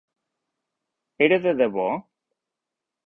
Era de debò!